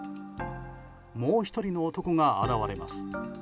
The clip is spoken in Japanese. もう１人の男が現れます。